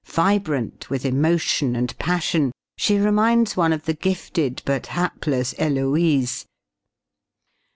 Vibrant with emotion and passion, she reminds one of the gifted but hapless Heloise.